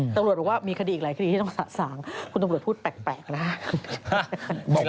ตำรวจบอกว่ามีคดีอีกหลายคดีที่ต้องสะสางคุณตำรวจพูดแปลกนะครับ